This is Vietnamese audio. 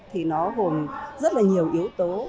thì nó hồn rất là nhiều yếu tố